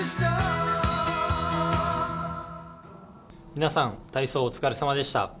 皆さん、体操お疲れさまでした。